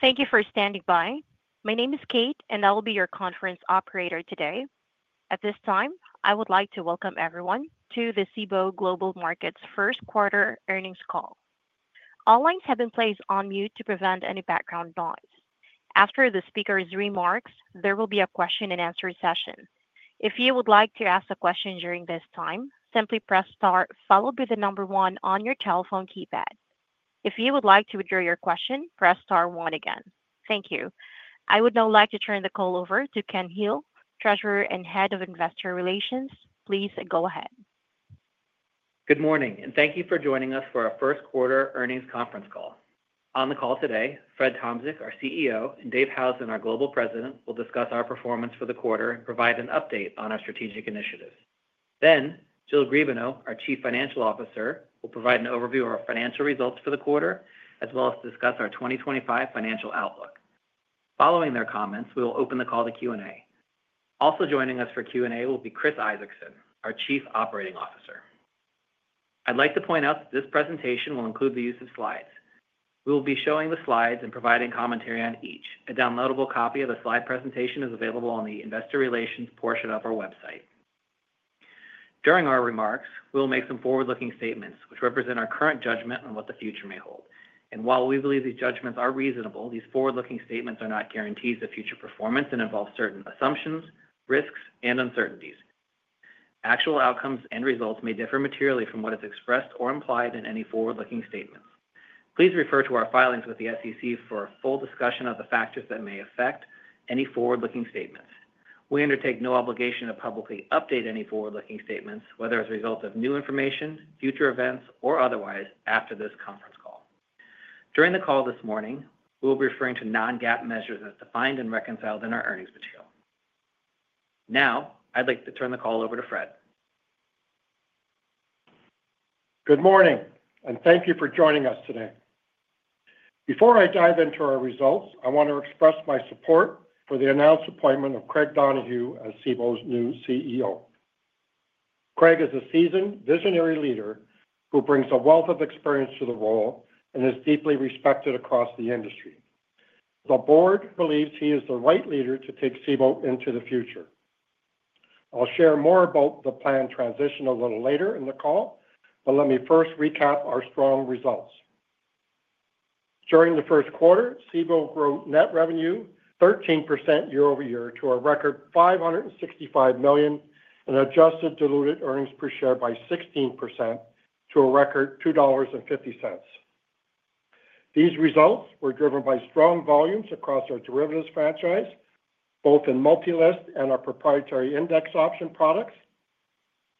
Thank you for standing by. My name is Kate, and I will be your conference operator today. At this time, I would like to welcome everyone to the Cboe Global Markets' first quarter earnings call. All lines have been placed on mute to prevent any background noise. After the speaker's remarks, there will be a question-and-answer session. If you would like to ask a question during this time, simply press Star, followed by the number one on your telephone keypad. If you would like to withdraw your question, press Star one again. Thank you. I would now like to turn the call over to Ken Hill, Treasurer and Head of Investor Relations. Please go ahead. Good morning, and thank you for joining us for our first quarter earnings conference call. On the call today, Fred Tomczyk, our CEO, and Dave Howson, our Global President, will discuss our performance for the quarter and provide an update on our strategic initiatives. Jill Griebenow, our Chief Financial Officer, will provide an overview of our financial results for the quarter, as well as discuss our 2025 financial outlook. Following their comments, we will open the call to Q&A. Also joining us for Q&A will be Chris Isaacson, our Chief Operating Officer. I'd like to point out that this presentation will include the use of slides. We will be showing the slides and providing commentary on each. A downloadable copy of the slide presentation is available on the Investor Relations portion of our website. During our remarks, we will make some forward-looking statements, which represent our current judgment on what the future may hold. While we believe these judgments are reasonable, these forward-looking statements are not guarantees of future performance and involve certain assumptions, risks, and uncertainties. Actual outcomes and results may differ materially from what is expressed or implied in any forward-looking statements. Please refer to our filings with the SEC for a full discussion of the factors that may affect any forward-looking statements. We undertake no obligation to publicly update any forward-looking statements, whether as a result of new information, future events, or otherwise, after this conference call. During the call this morning, we will be referring to non-GAAP measures as defined and reconciled in our earnings material. Now, I'd like to turn the call over to Fred. Good morning, and thank you for joining us today. Before I dive into our results, I want to express my support for the announced appointment of Craig Donohue as Cboe's new CEO. Craig is a seasoned, visionary leader who brings a wealth of experience to the role and is deeply respected across the industry. The board believes he is the right leader to take Cboe into the future. I'll share more about the planned transition a little later in the call, but let me first recap our strong results. During the first quarter, Cboe grew net revenue 13% year over year to a record $565 million and adjusted diluted earnings per share by 16% to a record $2.50. These results were driven by strong volumes across our derivatives franchise, both in multi-list and our proprietary index option products,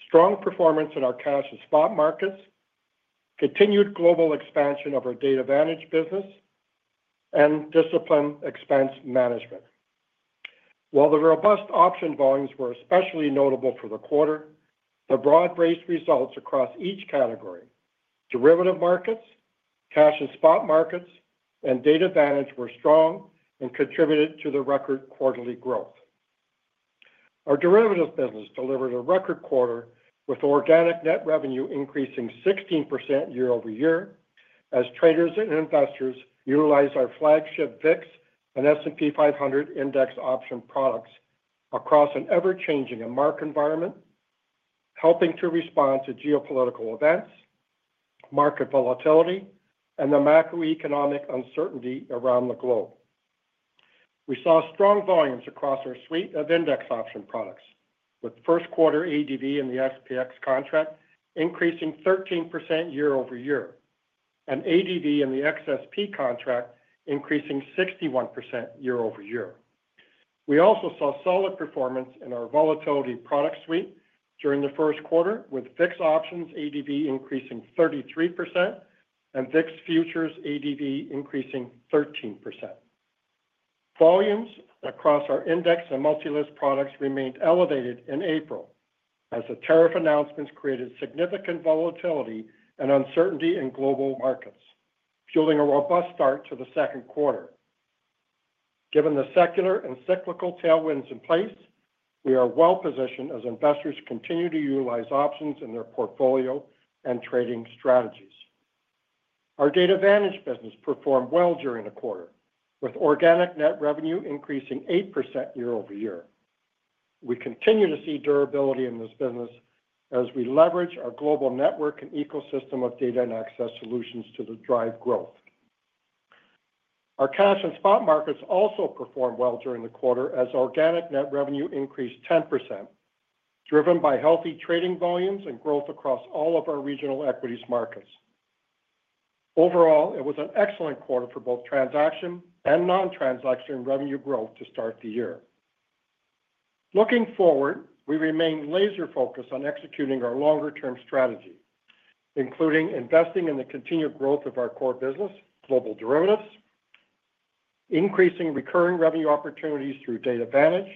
strong performance in our cash and spot markets, continued global expansion of our Data Vantage business, and disciplined expense management. While the robust option volumes were especially notable for the quarter, the broad-based results across each category—derivative markets, cash and spot markets, and Data Vantage—were strong and contributed to the record quarterly growth. Our derivatives business delivered a record quarter with organic net revenue increasing 16% year over year as traders and investors utilized our flagship VIX and S&P 500 index option products across an ever-changing and marked environment, helping to respond to geopolitical events, market volatility, and the macroeconomic uncertainty around the globe. We saw strong volumes across our suite of index option products, with first quarter ADV in the SPX contract increasing 13% year over year and ADV in the XSP contract increasing 61% year over year. We also saw solid performance in our volatility product suite during the first quarter, with VIX options ADV increasing 33% and VIX futures ADV increasing 13%. Volumes across our index and multi-list products remained elevated in April as the tariff announcements created significant volatility and uncertainty in global markets, fueling a robust start to the second quarter. Given the secular and cyclical tailwinds in place, we are well-positioned as investors continue to utilize options in their portfolio and trading strategies. Our Data Vantage business performed well during the quarter, with organic net revenue increasing 8% year over year. We continue to see durability in this business as we leverage our global network and ecosystem of data and access solutions to drive growth. Our cash and spot markets also performed well during the quarter as organic net revenue increased 10%, driven by healthy trading volumes and growth across all of our regional equities markets. Overall, it was an excellent quarter for both transaction and non-transaction revenue growth to start the year. Looking forward, we remain laser-focused on executing our longer-term strategy, including investing in the continued growth of our core business, global derivatives, increasing recurring revenue opportunities through Data Vantage,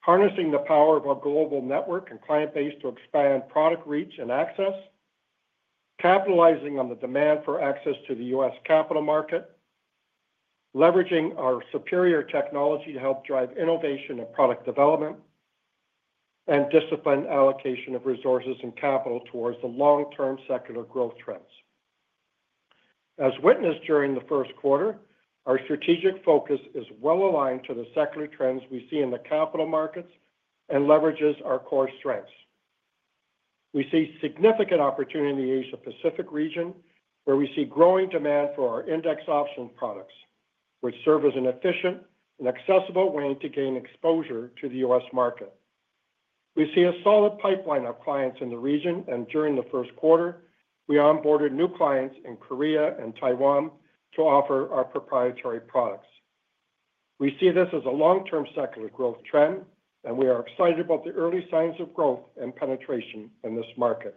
harnessing the power of our global network and client base to expand product reach and access, capitalizing on the demand for access to the U.S. Capital market, leveraging our superior technology to help drive innovation and product development, and disciplined allocation of resources and capital towards the long-term secular growth trends. As witnessed during the first quarter, our strategic focus is well-aligned to the secular trends we see in the capital markets and leverages our core strengths. We see significant opportunity in the Asia-Pacific region, where we see growing demand for our index option products, which serve as an efficient and accessible way to gain exposure to the U.S. market. We see a solid pipeline of clients in the region, and during the first quarter, we onboarded new clients in Korea and Taiwan to offer our proprietary products. We see this as a long-term secular growth trend, and we are excited about the early signs of growth and penetration in this market.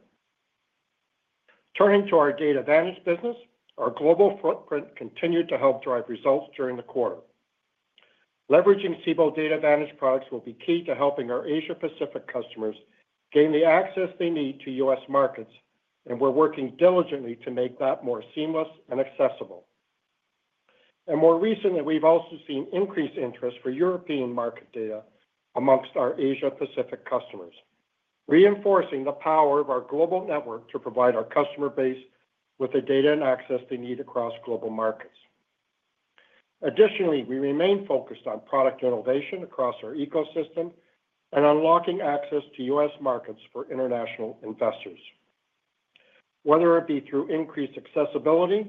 Turning to our Data Vantage business, our global footprint continued to help drive results during the quarter. Leveraging Cboe Data Vantage products will be key to helping our Asia-Pacific customers gain the access they need to U.S. markets, and we're working diligently to make that more seamless and accessible. More recently, we've also seen increased interest for European market data amongst our Asia-Pacific customers, reinforcing the power of our global network to provide our customer base with the data and access they need across global markets. Additionally, we remain focused on product innovation across our ecosystem and unlocking access to U.S. markets for international investors. Whether it be through increased accessibility,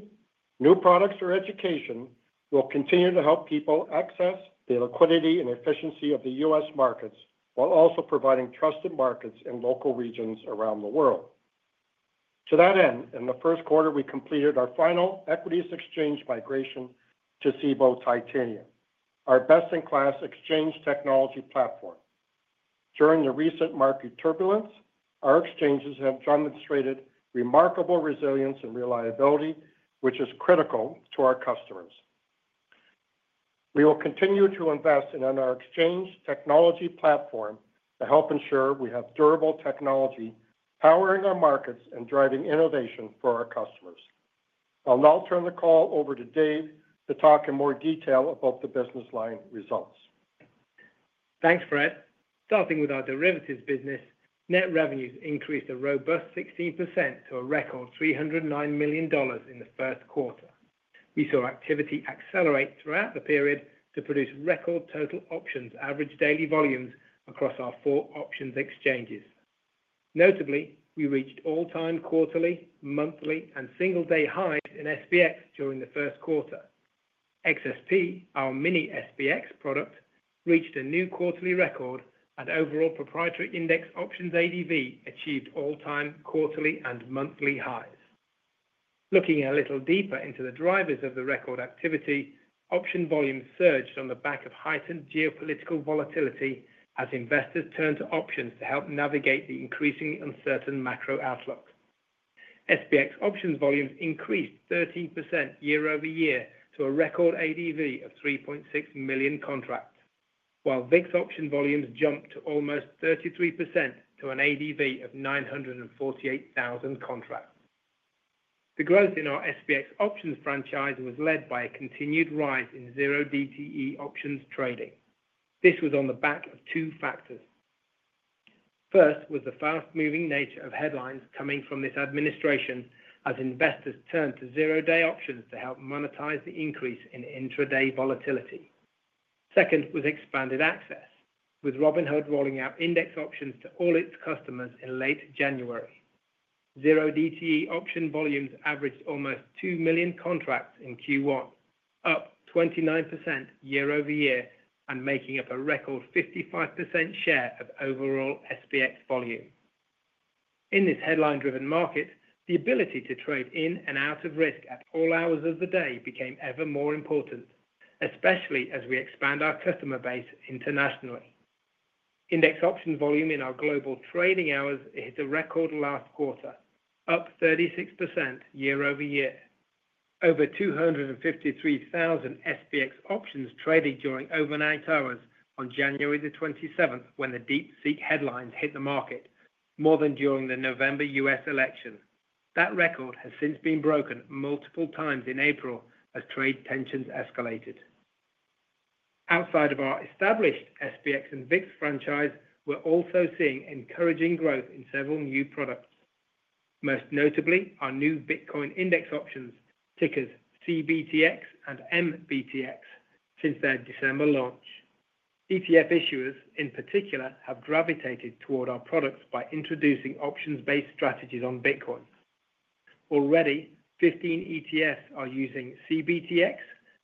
new products, or education, we'll continue to help people access the liquidity and efficiency of the U.S. markets while also providing trusted markets in local regions around the world. To that end, in the first quarter, we completed our final equities exchange migration to Cboe Titanium, our best-in-class exchange technology platform. During the recent market turbulence, our exchanges have demonstrated remarkable resilience and reliability, which is critical to our customers. We will continue to invest in our exchange technology platform to help ensure we have durable technology powering our markets and driving innovation for our customers. I'll now turn the call over to Dave to talk in more detail about the business line results. Thanks, Fred. Starting with our derivatives business, net revenues increased a robust 16% to a record $309 million in the first quarter. We saw activity accelerate throughout the period to produce record total options average daily volumes across our four options exchanges. Notably, we reached all-time quarterly, monthly, and single-day highs in SPX during the first quarter. XSP, our mini SPX product, reached a new quarterly record, and overall proprietary index options ADV achieved all-time quarterly and monthly highs. Looking a little deeper into the drivers of the record activity, option volumes surged on the back of heightened geopolitical volatility as investors turned to options to help navigate the increasingly uncertain macro outlook. SPX options volumes increased 13% year over year to a record ADV of 3.6 million contracts, while VIX option volumes jumped to almost 33% to an ADV of 948,000 contracts. The growth in our SPX options franchise was led by a continued rise in zero-DTE options trading. This was on the back of two factors. First was the fast-moving nature of headlines coming from this administration as investors turned to zero-day options to help monetize the increase in intraday volatility. Second was expanded access, with Robinhood rolling out index options to all its customers in late January. Zero-DTE option volumes averaged almost 2 million contracts in Q1, up 29% year over year and making up a record 55% share of overall SPX volume. In this headline-driven market, the ability to trade in and out of risk at all hours of the day became ever more important, especially as we expand our customer base internationally. Index options volume in our global trading hours hit a record last quarter, up 36% year over year. Over 253,000 SPX options traded during overnight hours on January the 27th when the D.C. headlines hit the market, more than during the November U.S. election. That record has since been broken multiple times in April as trade tensions escalated. Outside of our established SPX and VIX franchise, we're also seeing encouraging growth in several new products. Most notably, our new Bitcoin index options, tickers CBTX and MBTX, since their December launch. ETF issuers, in particular, have gravitated toward our products by introducing options-based strategies on Bitcoin. Already, 15 ETFs are using CBTX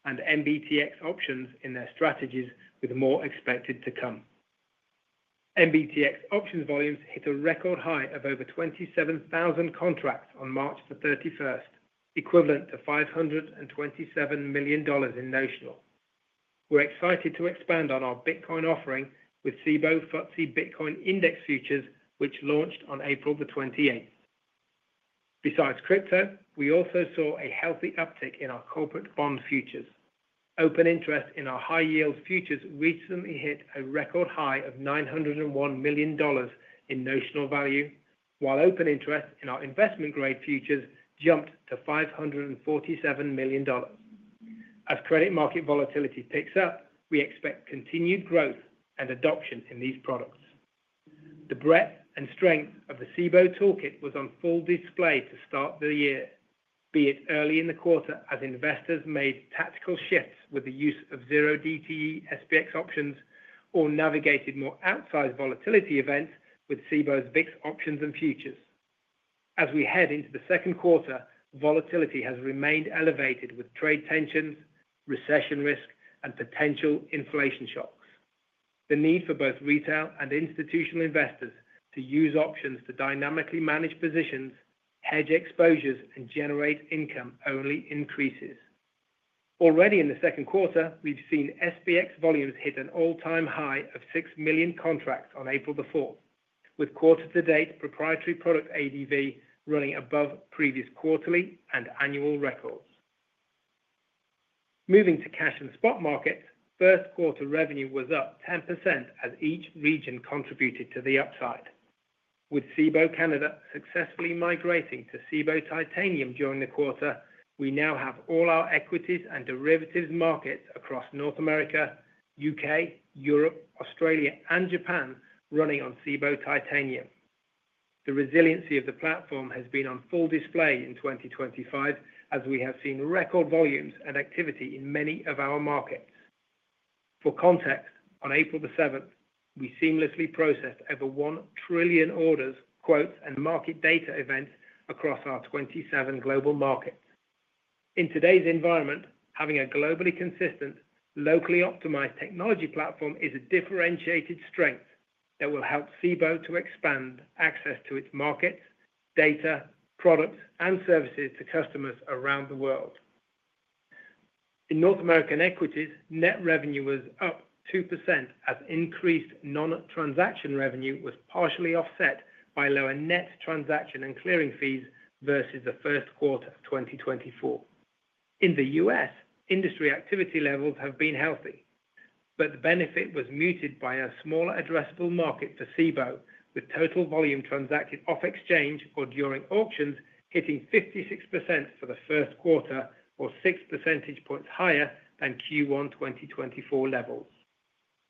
and MBTX options in their strategies, with more expected to come. MBTX options volumes hit a record high of over 27,000 contracts on March the 31st, equivalent to $527 million in notional. We're excited to expand on our Bitcoin offering with Cboe FTSE Bitcoin Index Futures, which launched on April the 28th. Besides crypto, we also saw a healthy uptick in our corporate bond futures. Open interest in our high-yield futures recently hit a record high of $901 million in notional value, while open interest in our investment-grade futures jumped to $547 million. As credit market volatility picks up, we expect continued growth and adoption in these products. The breadth and strength of the Cboe toolkit was on full display to start the year, be it early in the quarter as investors made tactical shifts with the use of zero-DTE SPX options or navigated more outsized volatility events with Cboe's VIX options and futures. As we head into the second quarter, volatility has remained elevated with trade tensions, recession risk, and potential inflation shocks. The need for both retail and institutional investors to use options to dynamically manage positions, hedge exposures, and generate income only increases. Already in the second quarter, we've seen SPX volumes hit an all-time high of 6 million contracts on April the 4th, with quarter-to-date proprietary product ADV running above previous quarterly and annual records. Moving to cash and spot markets, first quarter revenue was up 10% as each region contributed to the upside. With Cboe Canada successfully migrating to Cboe Titanium during the quarter, we now have all our equities and derivatives markets across North America, U.K., Europe, Australia, and Japan running on Cboe Titanium. The resiliency of the platform has been on full display in 2025 as we have seen record volumes and activity in many of our markets. For context, on April the 7th, we seamlessly processed over 1 trillion orders, quotes, and market data events across our 27 global markets. In today's environment, having a globally consistent, locally optimized technology platform is a differentiated strength that will help Cboe to expand access to its markets, data, products, and services to customers around the world. In North American equities, net revenue was up 2% as increased non-transaction revenue was partially offset by lower net transaction and clearing fees versus the first quarter of 2024. In the U.S., industry activity levels have been healthy, but the benefit was muted by a smaller addressable market for Cboe, with total volume transacted off-exchange or during auctions hitting 56% for the first quarter, or 6 percentage points higher than Q1 2024 levels.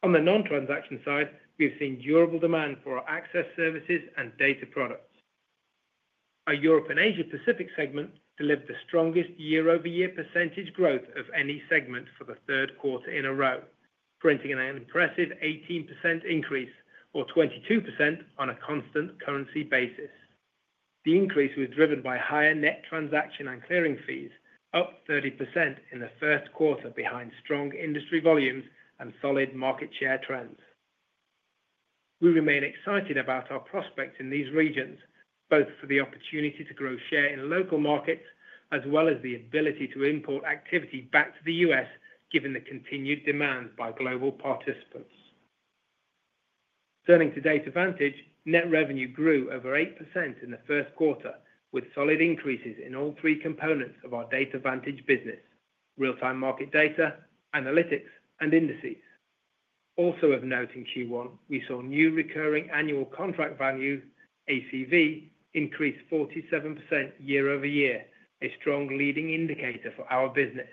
On the non-transaction side, we've seen durable demand for our access services and data products. Our Europe and Asia-Pacific segment delivered the strongest year-over-year % growth of any segment for the third quarter in a row, printing an impressive 18% increase, or 22% on a constant currency basis. The increase was driven by higher net transaction and clearing fees, up 30% in the first quarter behind strong industry volumes and solid market share trends. We remain excited about our prospects in these regions, both for the opportunity to grow share in local markets as well as the ability to import activity back to the U.S., given the continued demand by global participants. Turning to Data Vantage, net revenue grew over 8% in the first quarter, with solid increases in all three components of our Data Vantage business: real-time market data, analytics, and indices. Also of note in Q1, we saw new recurring annual contract values, ACV, increase 47% year-over-year, a strong leading indicator for our business.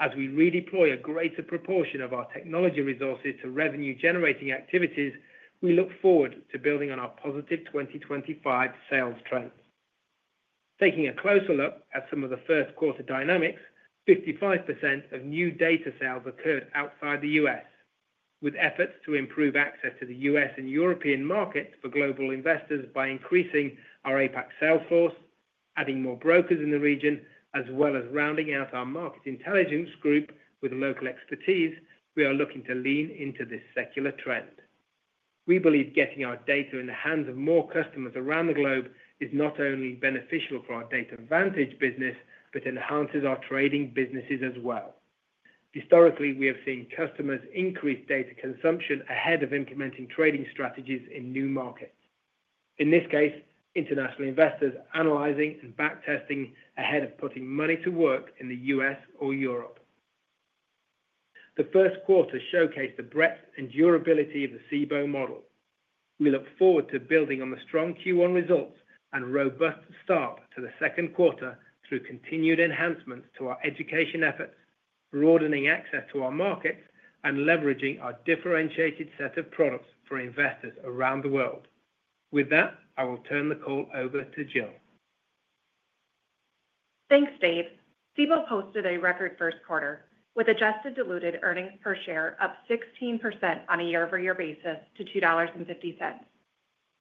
As we redeploy a greater proportion of our technology resources to revenue-generating activities, we look forward to building on our positive 2025 sales trends. Taking a closer look at some of the first quarter dynamics, 55% of new data sales occurred outside the U.S., with efforts to improve access to the U.S. and European markets for global investors by increasing our APAC sales force, adding more brokers in the region, as well as rounding out our market intelligence group with local expertise, we are looking to lean into this secular trend. We believe getting our data in the hands of more customers around the globe is not only beneficial for our Data Vantage business but enhances our trading businesses as well. Historically, we have seen customers increase data consumption ahead of implementing trading strategies in new markets, in this case, international investors analyzing and backtesting ahead of putting money to work in the U.S. or Europe. The first quarter showcased the breadth and durability of the Cboe model. We look forward to building on the strong Q1 results and robust start to the second quarter through continued enhancements to our education efforts, broadening access to our markets, and leveraging our differentiated set of products for investors around the world. With that, I will turn the call over to Jill. Thanks, Dave. Cboe posted a record first quarter, with adjusted diluted earnings per share up 16% on a year-over-year basis to $2.50.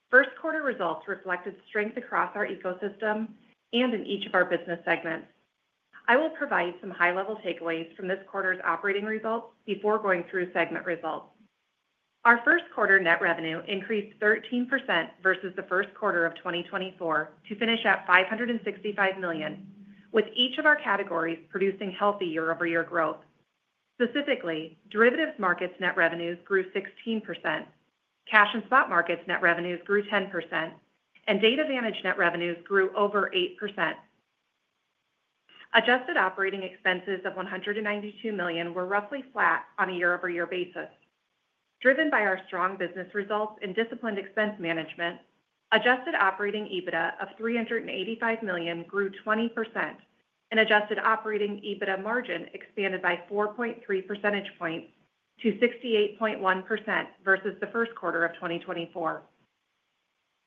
First quarter results reflected strength across our ecosystem and in each of our business segments. I will provide some high-level takeaways from this quarter's operating results before going through segment results. Our first quarter net revenue increased 13% versus the first quarter of 2024 to finish at $565 million, with each of our categories producing healthy year-over-year growth. Specifically, derivatives markets' net revenues grew 16%, cash and spot markets' net revenues grew 10%, and Data Vantage net revenues grew over 8%. Adjusted operating expenses of $192 million were roughly flat on a year-over-year basis. Driven by our strong business results and disciplined expense management, adjusted operating EBITDA of $385 million grew 20%, and adjusted operating EBITDA margin expanded by 4.3 percentage points to 68.1% versus the first quarter of 2024.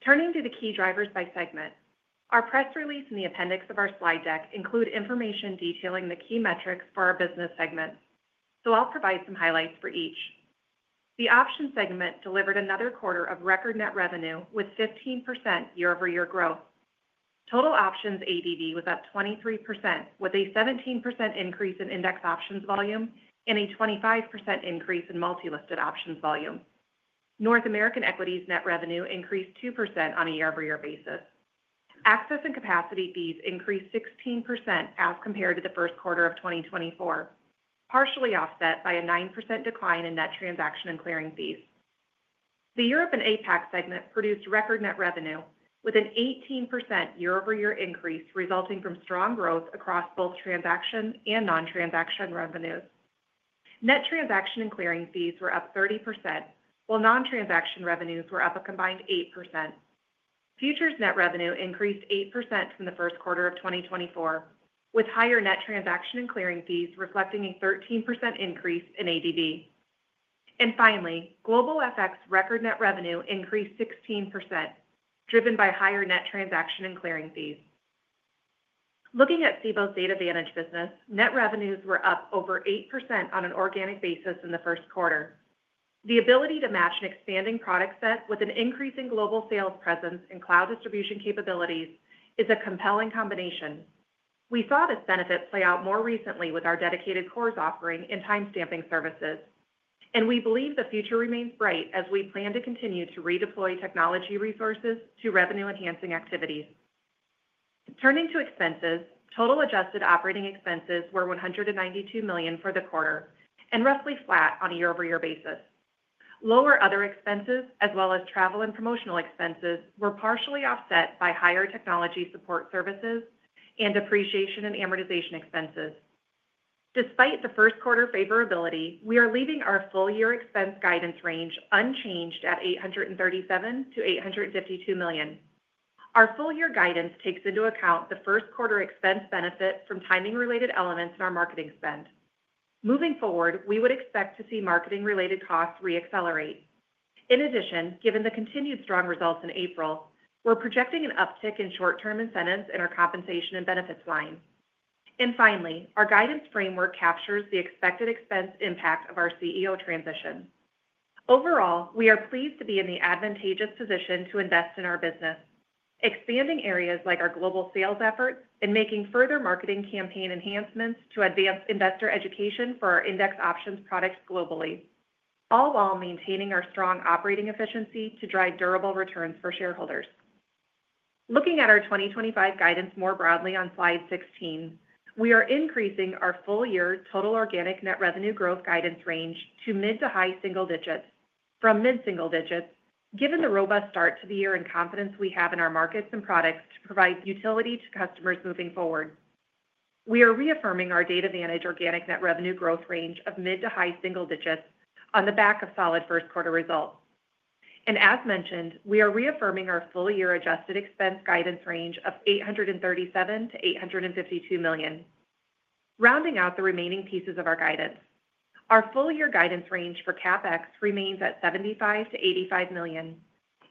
Turning to the key drivers by segment, our press release and the appendix of our slide deck include information detailing the key metrics for our business segments, so I'll provide some highlights for each. The options segment delivered another quarter of record net revenue with 15% year-over-year growth. Total options ADV was up 23%, with a 17% increase in index options volume and a 25% increase in multi-listed options volume. North American equities net revenue increased 2% on a year-over-year basis. Access and capacity fees increased 16% as compared to the first quarter of 2024, partially offset by a 9% decline in net transaction and clearing fees. The Europe and APAC segment produced record net revenue with an 18% year-over-year increase resulting from strong growth across both transaction and non-transaction revenues. Net transaction and clearing fees were up 30%, while non-transaction revenues were up a combined 8%. Futures net revenue increased 8% from the first quarter of 2024, with higher net transaction and clearing fees reflecting a 13% increase in ADV. Finally, Global FX record net revenue increased 16%, driven by higher net transaction and clearing fees. Looking at Cboe's Data Vantage business, net revenues were up over 8% on an organic basis in the first quarter. The ability to match an expanding product set with an increasing global sales presence and cloud distribution capabilities is a compelling combination. We saw this benefit play out more recently with our Dedicated Cores offering and timestamping services, and we believe the future remains bright as we plan to continue to redeploy technology resources to revenue-enhancing activities. Turning to expenses, total adjusted operating expenses were $192 million for the quarter and roughly flat on a year-over-year basis. Lower other expenses, as well as travel and promotional expenses, were partially offset by higher technology support services and depreciation and amortization expenses. Despite the first quarter favorability, we are leaving our full-year expense guidance range unchanged at $837-$852 million. Our full-year guidance takes into account the first quarter expense benefit from timing-related elements in our marketing spend. Moving forward, we would expect to see marketing-related costs re-accelerate. In addition, given the continued strong results in April, we're projecting an uptick in short-term incentives in our compensation and benefits line. Finally, our guidance framework captures the expected expense impact of our CEO transition. Overall, we are pleased to be in the advantageous position to invest in our business, expanding areas like our global sales efforts and making further marketing campaign enhancements to advance investor education for our index options products globally, all while maintaining our strong operating efficiency to drive durable returns for shareholders. Looking at our 2025 guidance more broadly on slide 16, we are increasing our full-year total organic net revenue growth guidance range to mid to high single digits, from mid-single digits, given the robust start to the year and confidence we have in our markets and products to provide utility to customers moving forward. We are reaffirming our Data Vantage organic net revenue growth range of mid to high single digits on the back of solid first quarter results. As mentioned, we are reaffirming our full-year adjusted expense guidance range of $837-$852 million. Rounding out the remaining pieces of our guidance, our full-year guidance range for CapEx remains at $75-$85 million,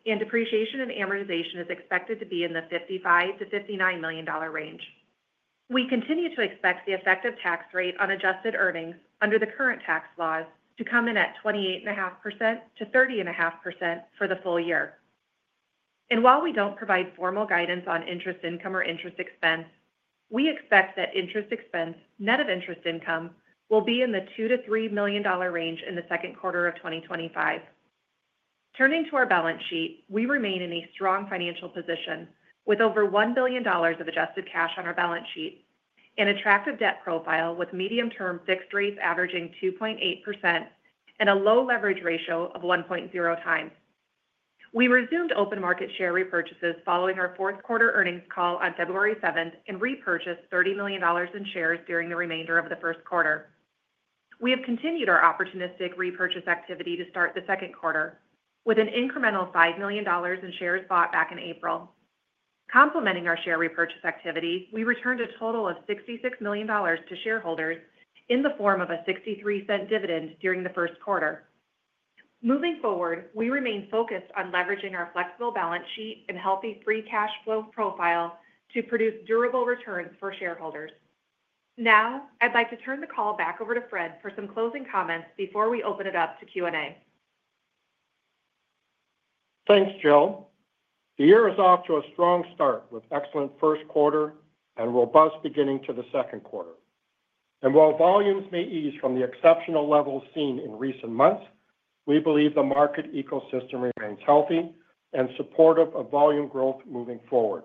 and depreciation and amortization is expected to be in the $55-$59 million range. We continue to expect the effective tax rate on adjusted earnings under the current tax laws to come in at 28.5%-30.5% for the full year. While we do not provide formal guidance on interest income or interest expense, we expect that interest expense, net of interest income, will be in the $2-$3 million range in the second quarter of 2025. Turning to our balance sheet, we remain in a strong financial position with over $1 billion of adjusted cash on our balance sheet and attractive debt profile with medium-term fixed rates averaging 2.8% and a low leverage ratio of 1.0 times. We resumed open market share repurchases following our fourth quarter earnings call on February 7 and repurchased $30 million in shares during the remainder of the first quarter. We have continued our opportunistic repurchase activity to start the second quarter with an incremental $5 million in shares bought back in April. Complementing our share repurchase activity, we returned a total of $66 million to shareholders in the form of a $0.63 dividend during the first quarter. Moving forward, we remain focused on leveraging our flexible balance sheet and healthy free cash flow profile to produce durable returns for shareholders. Now, I'd like to turn the call back over to Fred for some closing comments before we open it up to Q&A. Thanks, Jill. The year is off to a strong start with excellent first quarter and robust beginning to the second quarter. While volumes may ease from the exceptional levels seen in recent months, we believe the market ecosystem remains healthy and supportive of volume growth moving forward.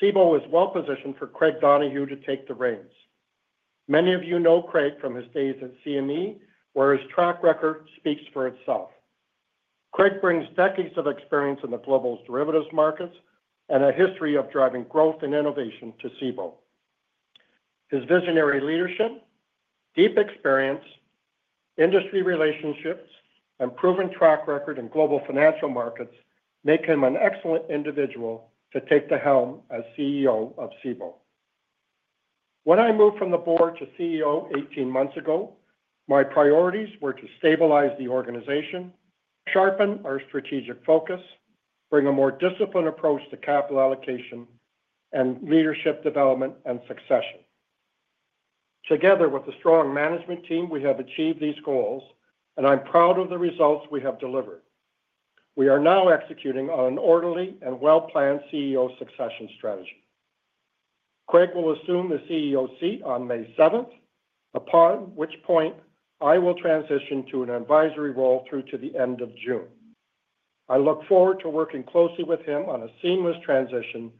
Cboe is well positioned for Craig Donohue to take the reins. Many of you know Craig from his days at CME, where his track record speaks for itself. Craig brings decades of experience in the global derivatives markets and a history of driving growth and innovation to Cboe. His visionary leadership, deep experience, industry relationships, and proven track record in global financial markets make him an excellent individual to take the helm as CEO of Cboe. When I moved from the board to CEO 18 months ago, my priorities were to stabilize the organization, sharpen our strategic focus, bring a more disciplined approach to capital allocation, and leadership development and succession. Together with a strong management team, we have achieved these goals, and I'm proud of the results we have delivered. We are now executing on an orderly and well-planned CEO succession strategy. Craig will assume the CEO seat on May 7th, upon which point I will transition to an advisory role through to the end of June. I look forward to working closely with him on a seamless transition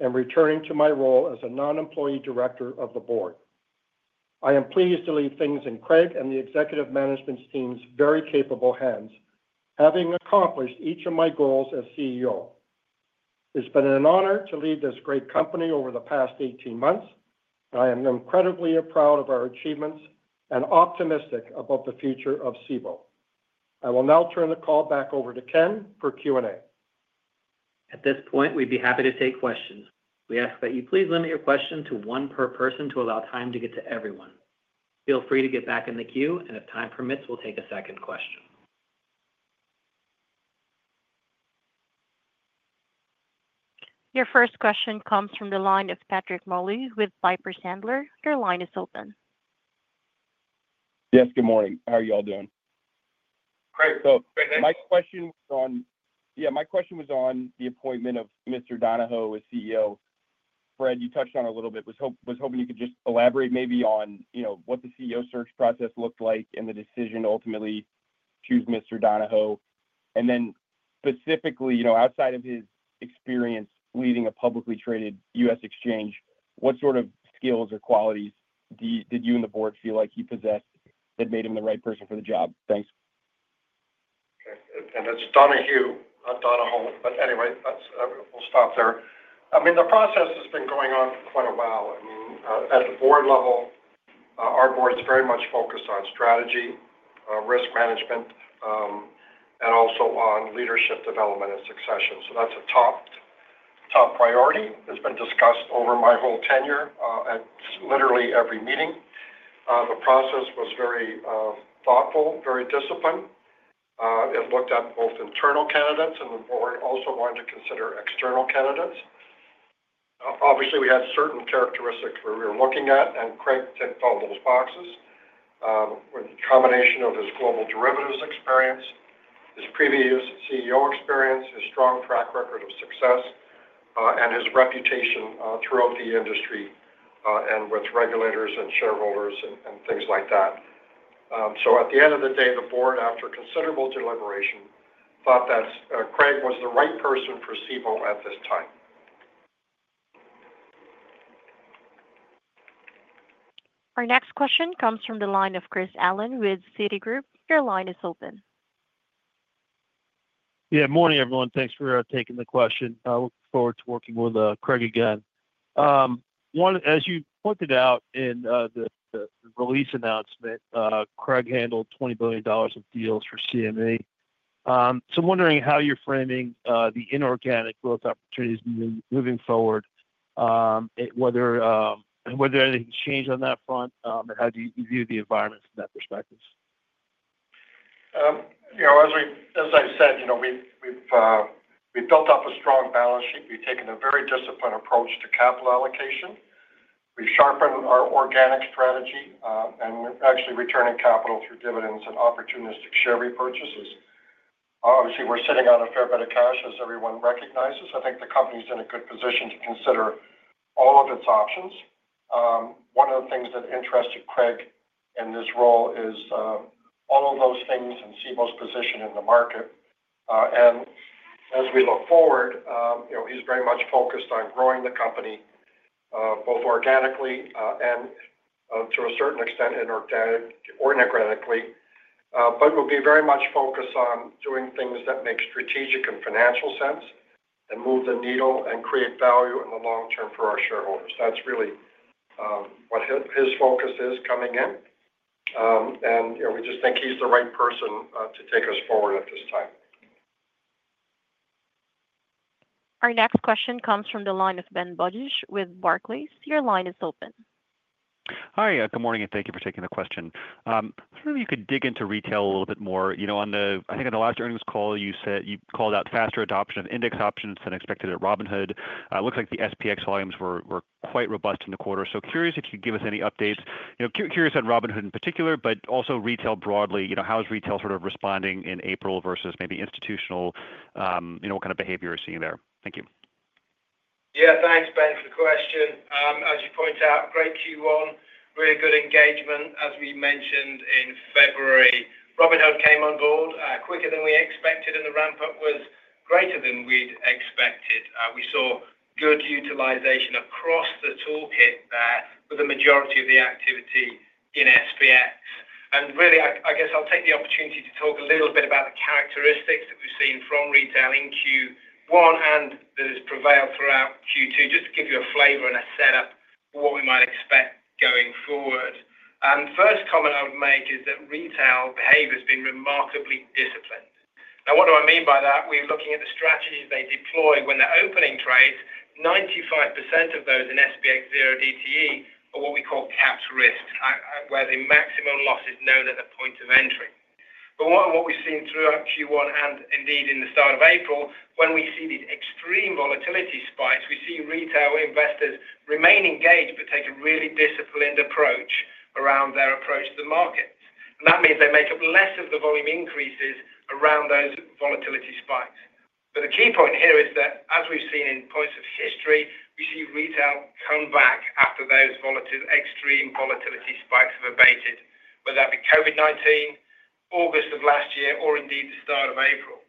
and returning to my role as a non-employee director of the board. I am pleased to leave things in Craig and the executive management team's very capable hands, having accomplished each of my goals as CEO. It's been an honor to lead this great company over the past 18 months, and I am incredibly proud of our achievements and optimistic about the future of Cboe. I will now turn the call back over to Ken for Q&A. At this point, we'd be happy to take questions. We ask that you please limit your question to one per person to allow time to get to everyone. Feel free to get back in the queue, and if time permits, we'll take a second question. Your first question comes from the line of Patrick Moley with Piper Sandler. Your line is open. Yes, good morning. How are you all doing? Great. My question was on the appointment of Mr. Donohue as CEO. Fred, you touched on it a little bit. I was hoping you could just elaborate maybe on what the CEO search process looked like and the decision to ultimately choose Mr. Donohue. Specifically, outside of his experience leading a publicly traded U.S. exchange, what sort of skills or qualities did you and the board feel like he possessed that made him the right person for the job? Thanks. Okay. It is Donohue, Anyway, we'll stop there. I mean, the process has been going on for quite a while. I mean, at the board level, our board is very much focused on strategy, risk management, and also on leadership development and succession. That is a top priority. It has been discussed over my whole tenure at literally every meeting. The process was very thoughtful, very disciplined. It looked at both internal candidates, and the board also wanted to consider external candidates. Obviously, we had certain characteristics we were looking at, and Craig ticked all those boxes with a combination of his global derivatives experience, his previous CEO experience, his strong track record of success, and his reputation throughout the industry and with regulators and shareholders and things like that. At the end of the day, the board, after considerable deliberation, thought that Craig was the right person for Cboe at this time. Our next question comes from the line of Chris Allen with Citi. Your line is open. Yeah, morning, everyone. Thanks for taking the question. I look forward to working with Craig again. As you pointed out in the release announcement, Craig handled $20 billion of deals for CME. I am wondering how you're framing the inorganic growth opportunities moving forward, whether anything's changed on that front, and how do you view the environment from that perspective? As I said, we've built up a strong balance sheet. We've taken a very disciplined approach to capital allocation. We've sharpened our organic strategy, and we're actually returning capital through dividends and opportunistic share repurchases. Obviously, we're sitting on a fair bit of cash, as everyone recognizes. I think the company's in a good position to consider all of its options. One of the things that interested Craig in this role is all of those things and Cboe's position in the market. As we look forward, he's very much focused on growing the company both organically and to a certain extent inorganically, but will be very much focused on doing things that make strategic and financial sense and move the needle and create value in the long term for our shareholders. That's really what his focus is coming in. We just think he's the right person to take us forward at this time. Our next question comes from the line of Ben Budish with Barclays. Your line is open. Hi, good morning, and thank you for taking the question. I thought maybe you could dig into retail a little bit more. I think on the last earnings call, you called out faster adoption of index options than expected at Robinhood. It looks like the SPX volumes were quite robust in the quarter. Curious if you could give us any updates. Curious on Robinhood in particular, but also retail broadly. How is retail sort of responding in April versus maybe institutional? What kind of behavior are you seeing there? Thank you. Yeah, thanks, Ben, for the question. As you point out, great Q1, really good engagement. As we mentioned in February, Robinhood came on board quicker than we expected, and the ramp-up was greater than we'd expected. We saw good utilization across the toolkit there with a majority of the activity in SPX. I guess I'll take the opportunity to talk a little bit about the characteristics that we've seen from retail in Q1 and that has prevailed throughout Q2, just to give you a flavor and a setup for what we might expect going forward. First comment I would make is that retail behavior has been remarkably disciplined. Now, what do I mean by that? We're looking at the strategies they deploy when they're opening trades. 95% of those in SPX Zero-DTE are what we call capped risks, where the maximum loss is known at the point of entry. What we've seen throughout Q1 and indeed in the start of April, when we see these extreme volatility spikes, we see retail investors remain engaged but take a really disciplined approach around their approach to the market. That means they make up less of the volume increases around those volatility spikes. The key point here is that, as we've seen in points of history, we see retail come back after those extreme volatility spikes have abated, whether that be COVID-19, August of last year, or indeed the start of April.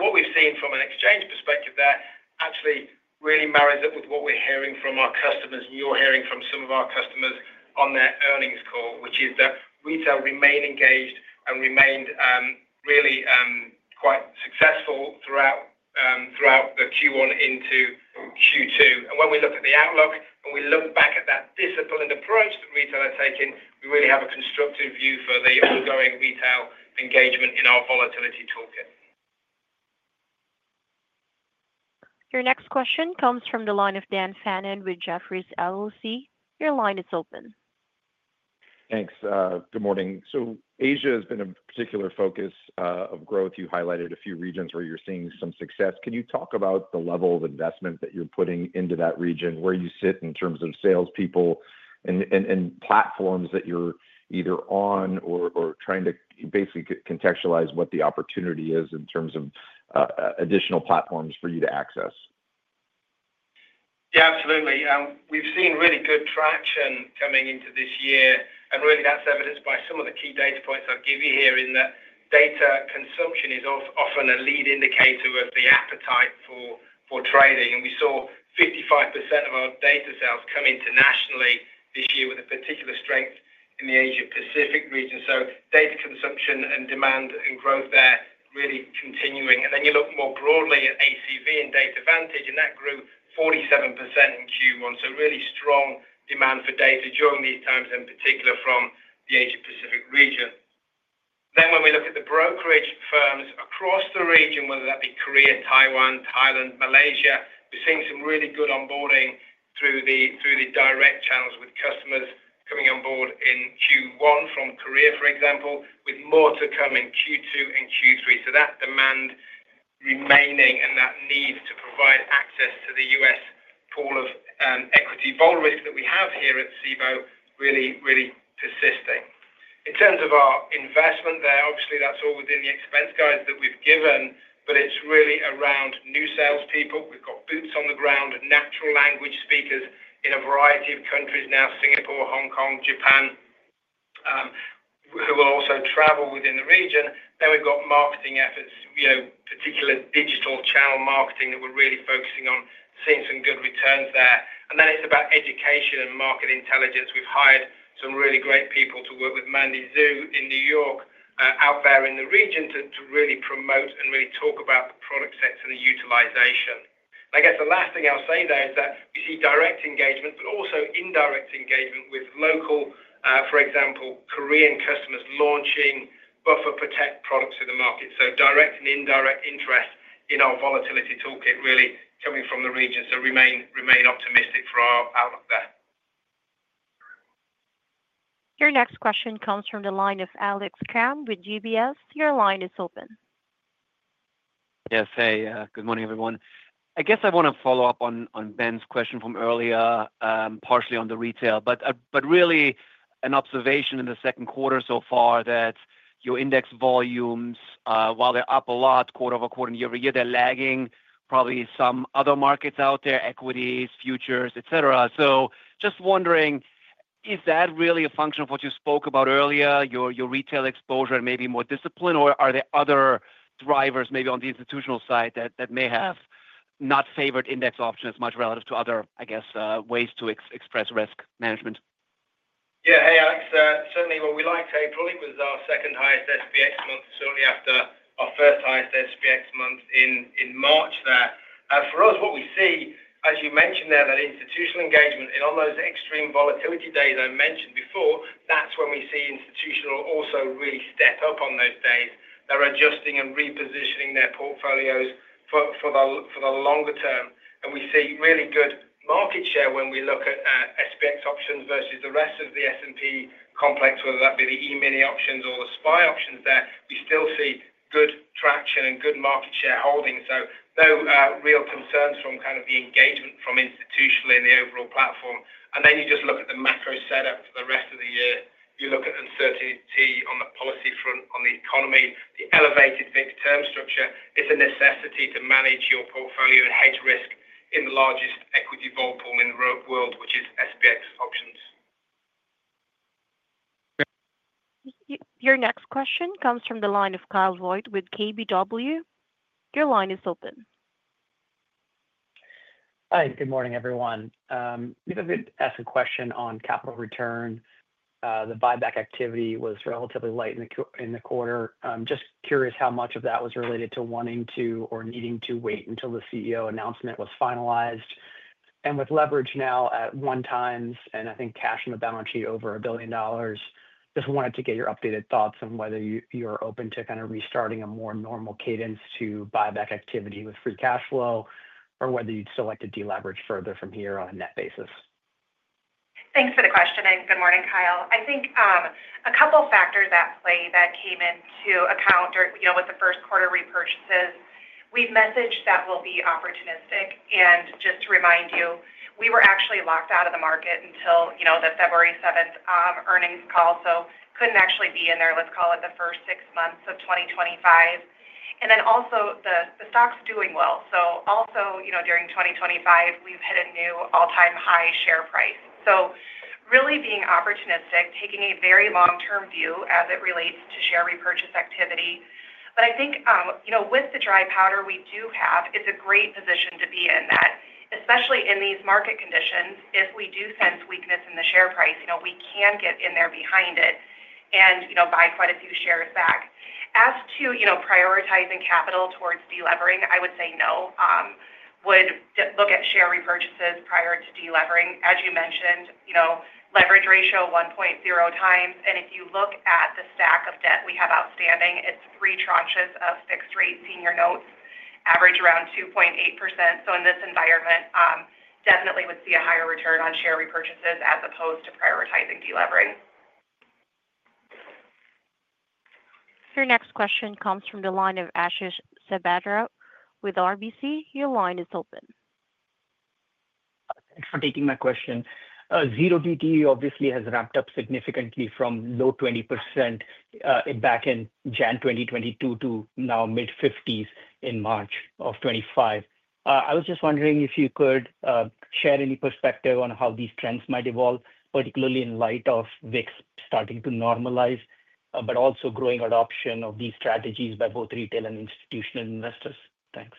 What we've seen from an exchange perspective there actually really marries up with what we're hearing from our customers, and you're hearing from some of our customers on their earnings call, which is that retail remained engaged and remained really quite successful throughout the Q1 into Q2. When we look at the outlook and we look back at that disciplined approach that retail has taken, we really have a constructive view for the ongoing retail engagement in our volatility toolkit. Your next question comes from the line of Dan Fannon with Jefferies. Your line is open. Thanks. Good morning. Asia has been a particular focus of growth. You highlighted a few regions where you're seeing some success. Can you talk about the level of investment that you're putting into that region, where you sit in terms of salespeople and platforms that you're either on or trying to basically contextualize what the opportunity is in terms of additional platforms for you to access? Yeah, absolutely. We've seen really good traction coming into this year. That's evidenced by some of the key data points I'll give you here in that data consumption is often a lead indicator of the appetite for trading. We saw 55% of our data sales come internationally this year with particular strength in the Asia-Pacific region. Data consumption and demand and growth there really continuing. You look more broadly at ACV and Data Vantage, and that grew 47% in Q1. Really strong demand for data during these times, in particular from the Asia-Pacific region. When we look at the brokerage firms across the region, whether that be Korea, Taiwan, Thailand, Malaysia, we're seeing some really good onboarding through the direct channels with customers coming on board in Q1 from Korea, for example, with more to come in Q2 and Q3. That demand remaining and that need to provide access to the U.S. pool of equity vol risk that we have here at Cboe really, really persisting. In terms of our investment there, obviously, that's all within the expense guides that we've given, but it's really around new salespeople. We've got boots on the ground, natural language speakers in a variety of countries now, Singapore, Hong Kong, Japan, who will also travel within the region. We've got marketing efforts, particular digital channel marketing that we're really focusing on, seeing some good returns there. It is about education and market intelligence. We've hired some really great people to work with Mandy Xu in New York out there in the region to really promote and really talk about the product sets and the utilization. I guess the last thing I'll say, though, is that we see direct engagement, but also indirect engagement with local, for example, Korean customers launching buffer protect products in the market. Direct and indirect interest in our volatility toolkit really coming from the region. Remain optimistic for our outlook there. Your next question comes from the line of Alex Kramm with UBS. Your line is open. Yes, hey. Good morning, everyone. I guess I want to follow up on Ben's question from earlier, partially on the retail, but really an observation in the second quarter so far that your index volumes, while they're up a lot, quarter over quarter, year over year, they're lagging probably some other markets out there, equities, futures, etc. Just wondering, is that really a function of what you spoke about earlier, your retail exposure and maybe more discipline, or are there other drivers maybe on the institutional side that may have not favored index options much relative to other, I guess, ways to express risk management? Yeah, hey, Alex. Certainly, what we liked April, it was our second highest SPX month, certainly after our first highest SPX month in March there. For us, what we see, as you mentioned there, that institutional engagement and on those extreme volatility days I mentioned before, that's when we see institutional also really step up on those days. They're adjusting and repositioning their portfolios for the longer term. We see really good market share when we look at SPX options versus the rest of the S&P complex, whether that be the e-mini options or the SPY options there. We still see good traction and good market share holding. No real concerns from kind of the engagement from institutionally in the overall platform. You just look at the macro setup for the rest of the year. You look at uncertainty on the policy front, on the economy, the elevated fixed term structure. It's a necessity to manage your portfolio and hedge risk in the largest equity vol pool in the world, which is SPX options. Your next question comes from the line of Kyle Voigt with KBW. Your line is open. Hi, good morning, everyone. We've been asked a question on capital return. The buyback activity was relatively light in the quarter. Just curious how much of that was related to wanting to or needing to wait until the CEO announcement was finalized. With leverage now at one times and I think cash on the balance sheet over $1 billion, just wanted to get your updated thoughts on whether you're open to kind of restarting a more normal cadence to buyback activity with free cash flow or whether you'd still like to deleverage further from here on a net basis. Thanks for the question. Good morning, Kyle. I think a couple of factors at play that came into account with the first quarter repurchases. We've messaged that we'll be opportunistic. Just to remind you, we were actually locked out of the market until the February 7 earnings call, so could not actually be in there, let's call it, the first six months of 2025. Also, the stock's doing well. Also during 2025, we've hit a new all-time high share price. Really being opportunistic, taking a very long-term view as it relates to share repurchase activity. I think with the dry powder we do have, it's a great position to be in that, especially in these market conditions, if we do sense weakness in the share price, we can get in there behind it and buy quite a few shares back. As to prioritizing capital towards deleveraging, I would say no. Would look at share repurchases prior to deleveraging. As you mentioned, leverage ratio 1.0 times. If you look at the stack of debt we have outstanding, it is three tranches of fixed-rate senior notes, average around 2.8%. In this environment, definitely would see a higher return on share repurchases as opposed to prioritizing deleveraging. Your next question comes from the line of Ashish Sabadra with RBC, your line is open. Thanks for taking my question. Zero-DTE obviously has ramped up significantly from low 20% back in January 2022 to now mid-50% in March of 2025. I was just wondering if you could share any perspective on how these trends might evolve, particularly in light of VIX starting to normalize, but also growing adoption of these strategies by both retail and institutional investors. Thanks.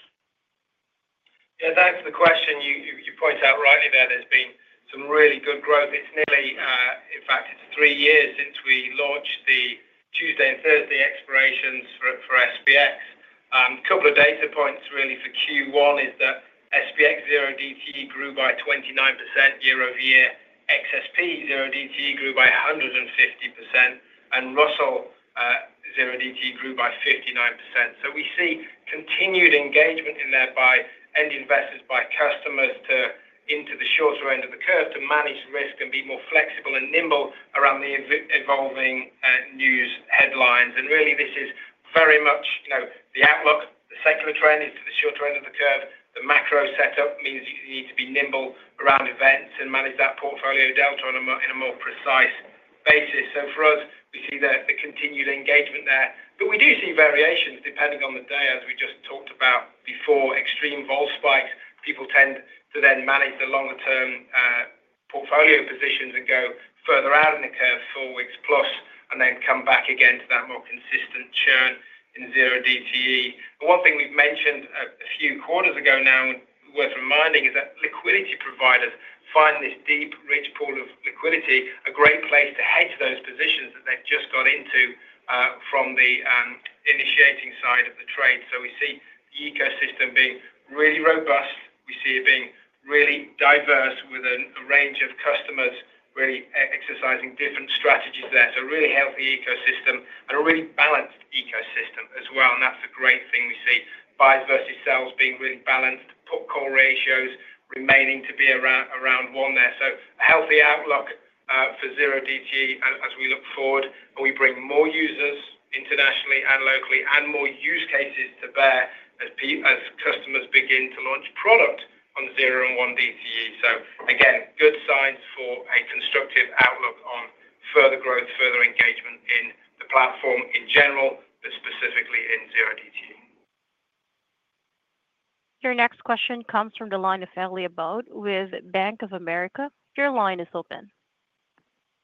Yeah, thanks for the question. You point out rightly there there's been some really good growth. It's nearly, in fact, it's three years since we launched the Tuesday and Thursday expirations for SPX. A couple of data points really for Q1 is that SPX Zero-DTE grew by 29% year over year. XSP Zero-DTE grew by 150%. And Russell Zero-DTE grew by 59%. We see continued engagement in there by end investors, by customers into the shorter end of the curve to manage risk and be more flexible and nimble around the evolving news headlines. This is very much the outlook. The secular trend is to the shorter end of the curve. The macro setup means you need to be nimble around events and manage that portfolio delta on a more precise basis. For us, we see the continued engagement there. We do see variations depending on the day, as we just talked about before. Extreme vol spikes, people tend to then manage the longer-term portfolio positions and go further out in the curve, four weeks plus, and then come back again to that more consistent churn in Zero-DTE. One thing we've mentioned a few quarters ago now worth reminding is that liquidity providers find this deep, rich pool of liquidity a great place to hedge those positions that they've just got into from the initiating side of the trade. We see the ecosystem being really robust. We see it being really diverse with a range of customers really exercising different strategies there. A really healthy ecosystem and a really balanced ecosystem as well. That's a great thing we see. Buyers versus sales being really balanced, put-call ratios remaining to be around one there. A healthy outlook for Zero-DTE as we look forward. We bring more users internationally and locally and more use cases to bear as customers begin to launch product on Zero and One-DTE. Again, good signs for a constructive outlook on further growth, further engagement in the platform in general, but specifically in Zero-DTE. Your next question comes from the line of Ellie Abode with Bank of America. Your line is open.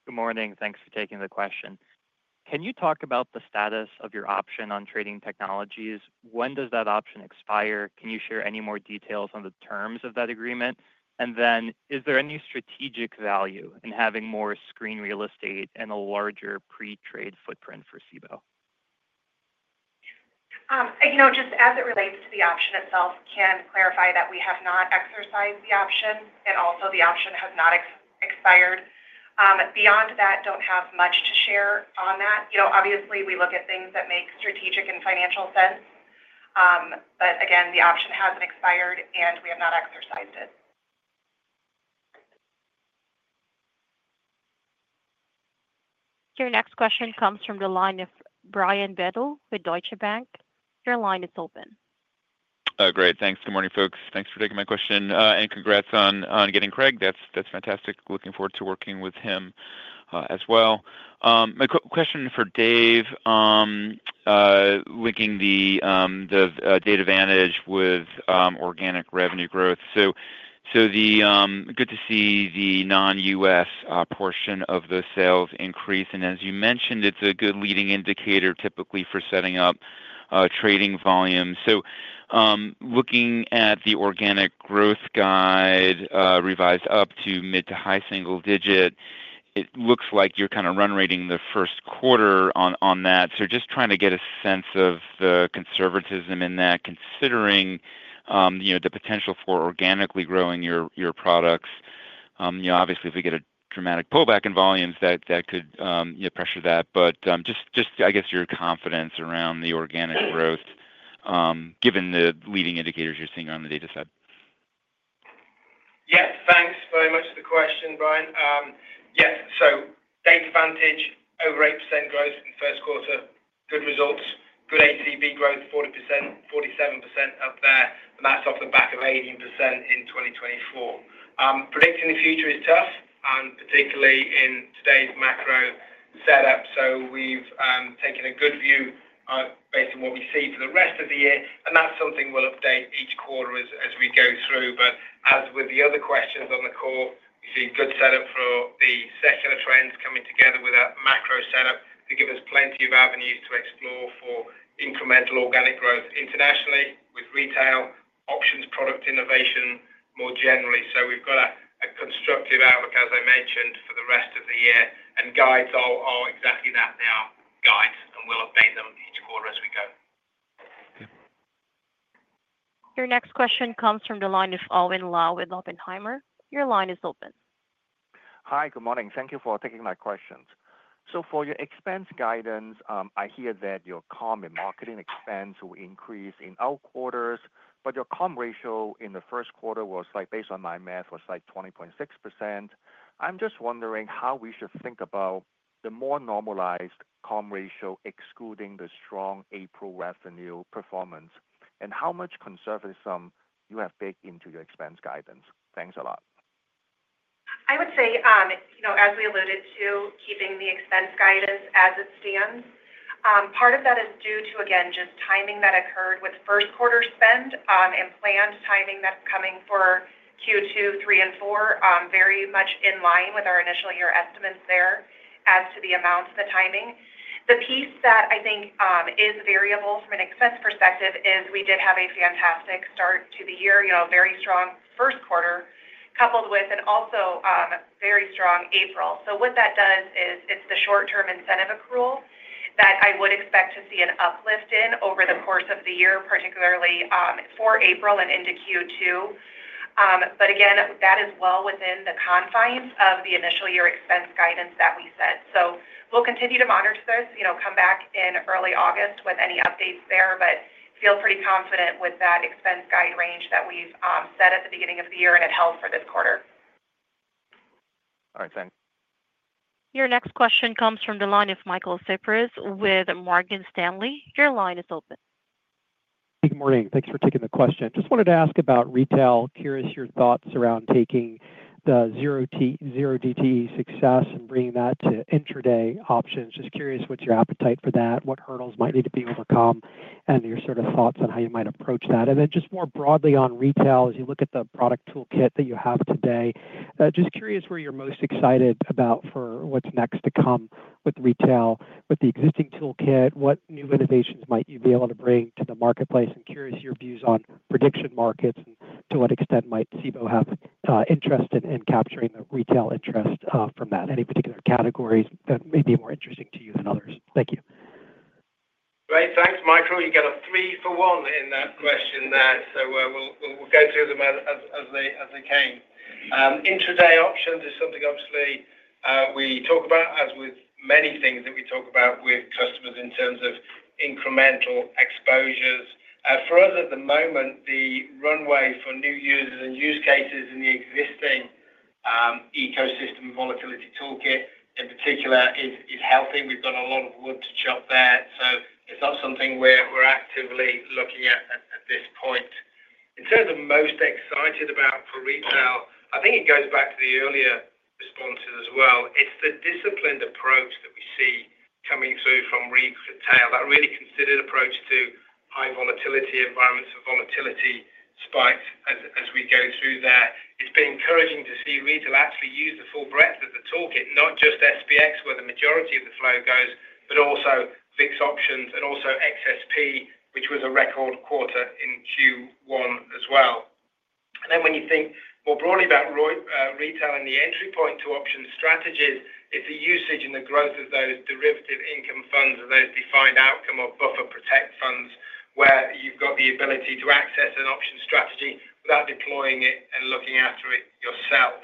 Good morning. Thanks for taking the question. Can you talk about the status of your option on Trading Technologies? When does that option expire? Can you share any more details on the terms of that agreement? Is there any strategic value in having more screen real estate and a larger pre-trade footprint for Cboe? Just as it relates to the option itself, can clarify that we have not exercised the option and also the option has not expired. Beyond that, do not have much to share on that. Obviously, we look at things that make strategic and financial sense. Again, the option has not expired and we have not exercised it. Your next question comes from the line of Brian Bedell with Deutsche Bank. Your line is open. Great. Thanks. Good morning, folks. Thanks for taking my question. And congrats on getting Craig. That's fantastic. Looking forward to working with him as well. My question for Dave linking the Data Vantage with organic revenue growth. So good to see the non-U.S. portion of the sales increase. As you mentioned, it's a good leading indicator typically for setting up trading volume. Looking at the organic growth guide revised up to mid to high single digit, it looks like you're kind of run rating the first quarter on that. Just trying to get a sense of the conservatism in that considering the potential for organically growing your products. Obviously, if we get a dramatic pullback in volumes, that could pressure that. Just, I guess, your confidence around the organic growth given the leading indicators you're seeing on the data set. Yes. Thanks very much for the question, Brian. Yes. Data Vantage, over 8% growth in the first quarter. Good results. Good ACV growth, 40%, 47% up there. And that's off the back of 18% in 2024. Predicting the future is tough, particularly in today's macro setup. We have taken a good view based on what we see for the rest of the year. That is something we will update each quarter as we go through. As with the other questions on the call, we see good setup for the secular trends coming together with that macro setup to give us plenty of avenues to explore for incremental organic growth internationally with retail, options, product innovation more generally. We have a constructive outlook, as I mentioned, for the rest of the year. Guides are exactly that. They are guides, and we will update them each quarter as we go. Your next question comes from the line of Owen Lau with Oppenheimer. Your line is open. Hi, good morning. Thank you for taking my questions. For your expense guidance, I hear that your COM and marketing expense will increase in all quarters, but your COM ratio in the first quarter was, based on my math, was like 20.6%. I'm just wondering how we should think about the more normalized COM ratio excluding the strong April revenue performance and how much conservatism you have baked into your expense guidance. Thanks a lot. I would say, as we alluded to, keeping the expense guidance as it stands. Part of that is due to, again, just timing that occurred with first quarter spend and planned timing that's coming for Q2, 3, and 4, very much in line with our initial year estimates there as to the amounts and the timing. The piece that I think is variable from an expense perspective is we did have a fantastic start to the year, a very strong first quarter coupled with an also very strong April. What that does is it's the short-term incentive accrual that I would expect to see an uplift in over the course of the year, particularly for April and into Q2. Again, that is well within the confines of the initial year expense guidance that we set. We'll continue to monitor this, come back in early August with any updates there, but feel pretty confident with that expense guide range that we've set at the beginning of the year and it held for this quarter. All right. Thanks. Your next question comes from the line of Michael Cyprys with Morgan Stanley. Your line is open. Hey, good morning. Thanks for taking the question. Just wanted to ask about retail. Curious your thoughts around taking the Zero-DTE success and bringing that to intraday options. Just curious what's your appetite for that, what hurdles might need to be overcome, and your sort of thoughts on how you might approach that. Just more broadly on retail, as you look at the product toolkit that you have today, just curious where you're most excited about for what's next to come with retail, with the existing toolkit, what new innovations might you be able to bring to the marketplace, and curious your views on prediction markets and to what extent might Cboe have interest in capturing the retail interest from that, any particular categories that may be more interesting to you than others. Thank you. Great. Thanks, Michael. You got a three for one in that question there. We'll go through them as they came. Intraday options is something obviously we talk about, as with many things that we talk about with customers in terms of incremental exposures. For us, at the moment, the runway for new users and use cases in the existing ecosystem volatility toolkit in particular is healthy. We've got a lot of wood to chop there. It's not something we're actively looking at at this point. In terms of most excited about for retail, I think it goes back to the earlier responses as well. It's the disciplined approach that we see coming through from retail, that really considered approach to high volatility environments and volatility spikes as we go through there. It's been encouraging to see retail actually use the full breadth of the toolkit, not just SPX, where the majority of the flow goes, but also VIX options and also XSP, which was a record quarter in Q1 as well. When you think more broadly about retail and the entry point to option strategies, it's the usage and the growth of those derivative income funds and those defined outcome or buffer protect funds where you've got the ability to access an option strategy without deploying it and looking after it yourself.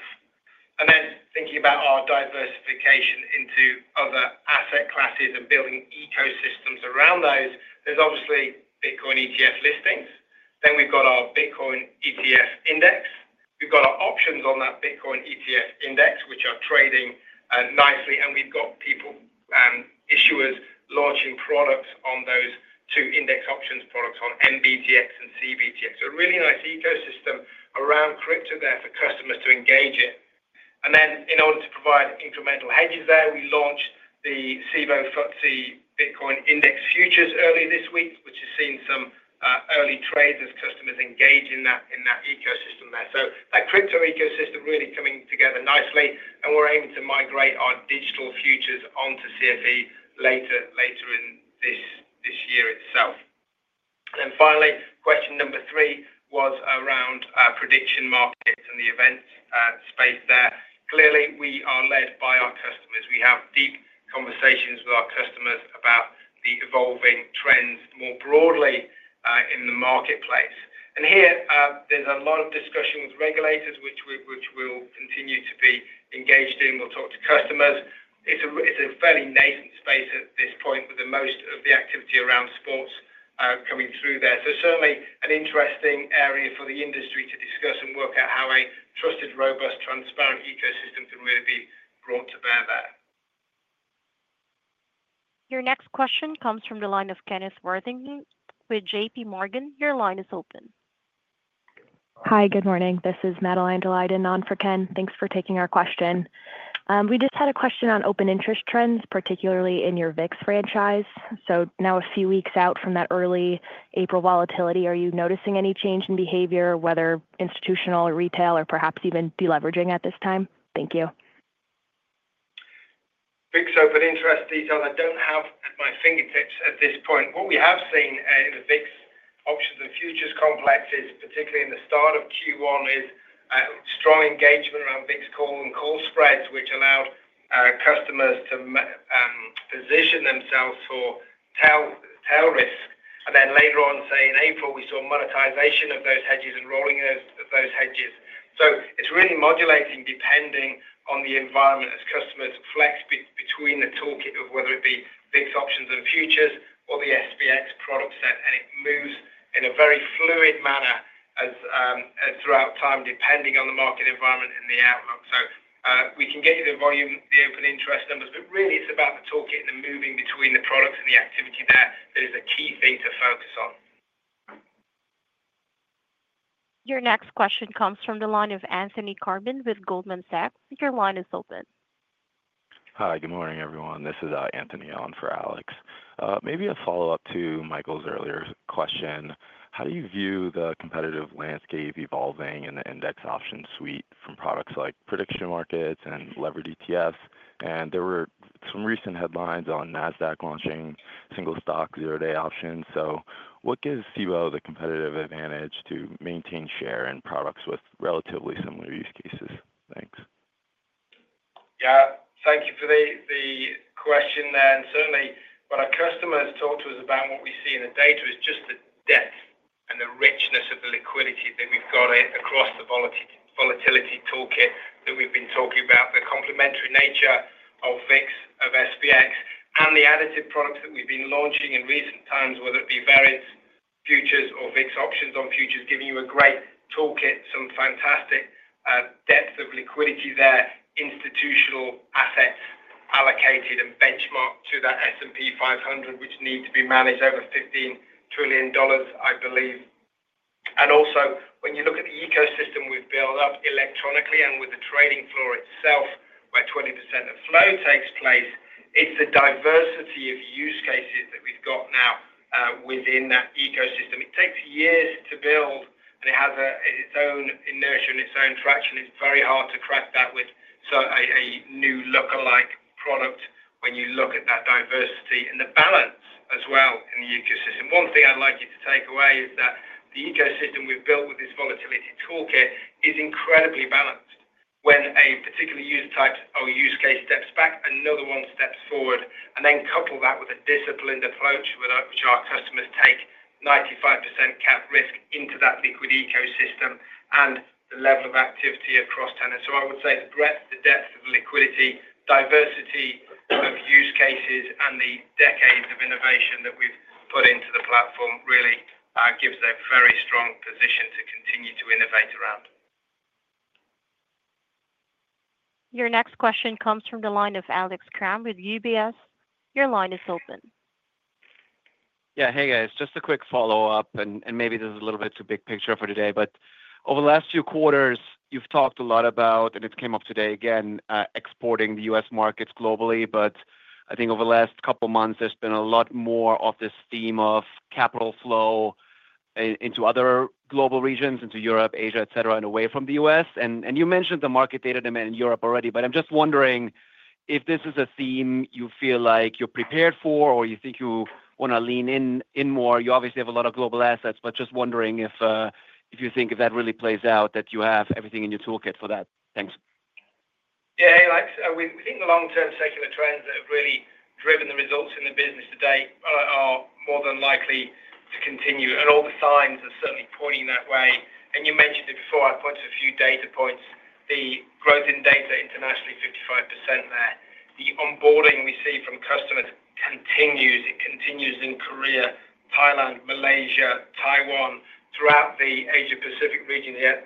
Thinking about our diversification into other asset classes and building ecosystems around those, there's obviously Bitcoin ETF listings. We've got our Bitcoin ETF index. We've got our options on that Bitcoin ETF index, which are trading nicely. We've got people, issuers launching products on those two index options products on MBTX and CBTX. A really nice ecosystem around crypto there for customers to engage in. In order to provide incremental hedges there, we launched the Cboe FTSE Bitcoin Index Futures earlier this week, which has seen some early trades as customers engage in that ecosystem there. That crypto ecosystem is really coming together nicely. We are aiming to migrate our digital futures onto CFE later in this year itself. Finally, question number three was around prediction markets and the event space there. Clearly, we are led by our customers. We have deep conversations with our customers about the evolving trends more broadly in the marketplace. Here, there is a lot of discussion with regulators, which we will continue to be engaged in. We will talk to customers. It is a fairly nascent space at this point with most of the activity around sports coming through there. Certainly an interesting area for the industry to discuss and work out how a trusted, robust, transparent ecosystem can really be brought to bear there. Your next question comes from the line of Ken Hill with JP Morgan. Your line is open. Hi, good morning. This is Madeline Daleiden in North America. Thanks for taking our question. We just had a question on open interest trends, particularly in your VIX franchise. Now a few weeks out from that early April volatility, are you noticing any change in behavior, whether institutional or retail, or perhaps even deleveraging at this time? Thank you. Big soap and interest details I don't have at my fingertips at this point. What we have seen in the VIX options and futures complexes, particularly in the start of Q1, is strong engagement around VIX call and call spreads, which allowed customers to position themselves for tail risk. Later on, say in April, we saw monetization of those hedges and rolling of those hedges. It is really modulating depending on the environment as customers flex between the toolkit of whether it be VIX options and futures or the SPX product set. It moves in a very fluid manner throughout time, depending on the market environment and the outlook. We can get you the volume, the open interest numbers, but really it is about the toolkit and the moving between the products and the activity there. It is a key thing to focus on. Your next question comes from the line of Anthony Corbin with Goldman Sachs. Your line is open. Hi, good morning, everyone. This is Anthony on for Alex. Maybe a follow-up to Michael's earlier question. How do you view the competitive landscape evolving in the index option suite from products like prediction markets and leverage ETFs? There were some recent headlines on Nasdaq launching single stock zero-day options. What gives Cboe the competitive advantage to maintain share in products with relatively similar use cases? Thanks. Yeah. Thank you for the question there. Certainly, what our customers talk to us about and what we see in the data is just the depth and the richness of the liquidity that we've got across the volatility toolkit that we've been talking about, the complementary nature of VIX, of SPX, and the additive products that we've been launching in recent times, whether it be variance, futures, or VIX options on futures, giving you a great toolkit, some fantastic depth of liquidity there, institutional assets allocated and benchmarked to that S&P 500, which need to be managed over $15 trillion, I believe. Also, when you look at the ecosystem we've built up electronically and with the trading floor itself, where 20% of flow takes place, it's the diversity of use cases that we've got now within that ecosystem. It takes years to build, and it has its own inertia and its own traction. It's very hard to crack that with a new lookalike product when you look at that diversity and the balance as well in the ecosystem. One thing I'd like you to take away is that the ecosystem we've built with this volatility toolkit is incredibly balanced. When a particular use type or use case steps back, another one steps forward. Couple that with a disciplined approach, which our customers take 95% cap risk into that liquid ecosystem and the level of activity across tenants. I would say the breadth, the depth of liquidity, diversity of use cases, and the decades of innovation that we've put into the platform really gives a very strong position to continue to innovate around. Your next question comes from the line of Alex Kramm with UBS. Your line is open. Yeah. Hey, guys. Just a quick follow-up, and maybe this is a little bit too big picture for today, but over the last few quarters, you've talked a lot about, and it came up today again, exporting the U.S. markets globally. I think over the last couple of months, there's been a lot more of this theme of capital flow into other global regions, into Europe, Asia, etc., and away from the U.S. You mentioned the market data demand in Europe already, but I'm just wondering if this is a theme you feel like you're prepared for or you think you want to lean in more. You obviously have a lot of global assets, but just wondering if you think if that really plays out that you have everything in your toolkit for that. Thanks. Yeah. Alex, we think the long-term secular trends that have really driven the results in the business today are more than likely to continue, and all the signs are certainly pointing that way. You mentioned it before. I pointed a few data points. The growth in data internationally, 55% there. The onboarding we see from customers continues. It continues in Korea, Thailand, Malaysia, Taiwan, throughout the Asia-Pacific region there.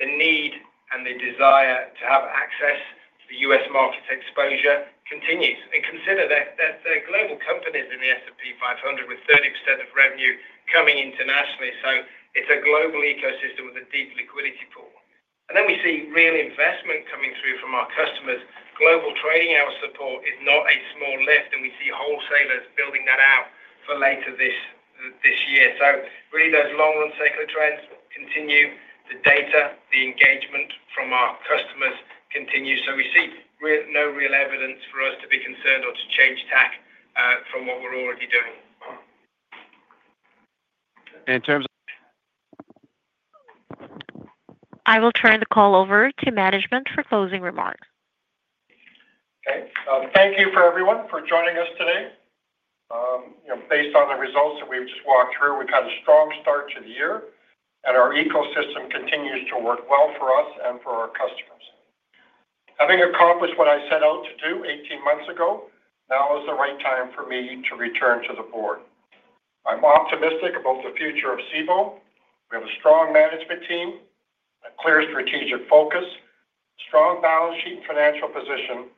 The need and the desire to have access to the U.S. markets exposure continues. Consider that there are global companies in the S&P 500 with 30% of revenue coming internationally. It is a global ecosystem with a deep liquidity pool. We see real investment coming through from our customers. Global trading hour support is not a small lift, and we see wholesalers building that out for later this year. Those long-run secular trends continue. The data, the engagement from our customers continues. We see no real evidence for us to be concerned or to change tack from what we're already doing. In terms of. I will turn the call over to management for closing remarks. Okay. Thank you for everyone for joining us today. Based on the results that we've just walked through, we've had a strong start to the year, and our ecosystem continues to work well for us and for our customers. Having accomplished what I set out to do 18 months ago, now is the right time for me to return to the board. I'm optimistic about the future of Cboe. We have a strong management team, a clear strategic focus, a strong balance sheet and financial position,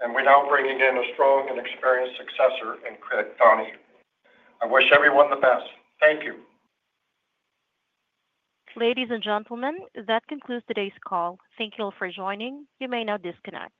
and we're now bringing in a strong and experienced successor in Craig Donohue. I wish everyone the best. Thank you. Ladies and gentlemen, that concludes today's call. Thank you all for joining. You may now disconnect.